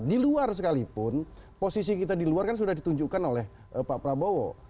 di luar sekalipun posisi kita di luar kan sudah ditunjukkan oleh pak prabowo